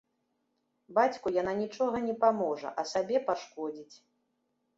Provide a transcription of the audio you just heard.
Бацьку яна нічога не паможа, а сабе пашкодзіць.